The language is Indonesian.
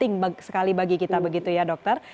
penting sekali bagi kita begitu ya dokter